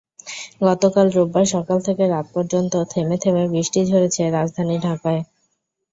গতকাল রোববার সকাল থেকে রাত পর্যন্ত থেমে থেমে বৃষ্টি ঝরেছে রাজধানী ঢাকায়।